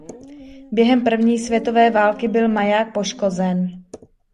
Během první světové války byl maják poškozen.